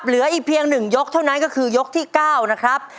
เหลือเพียงอีกหนึ่งยกเท่านั้นก็คือยกที่เก้านะครับ